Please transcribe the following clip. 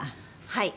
はい。